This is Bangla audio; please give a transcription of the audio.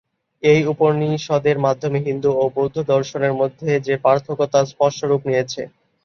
এই উপনিষদের মাধ্যমেই হিন্দু ও বৌদ্ধ দর্শনের মধ্যে যে পার্থক্য তা স্পষ্ট রূপ নিয়েছে।